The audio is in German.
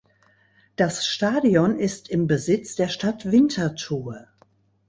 Das Stadion ist im Besitz der Stadt Winterthur.